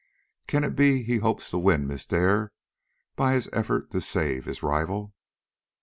Can it be he hopes to win Miss Dare by his effort to save his rival?"